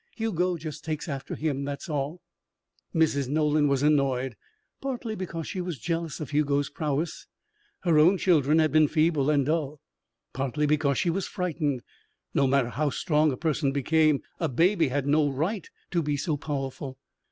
Hugo just takes after him, that's all." Mrs. Nolan was annoyed. Partly because she was jealous of Hugo's prowess her own children had been feeble and dull. Partly because she was frightened no matter how strong a person became, a baby had no right to be so powerful.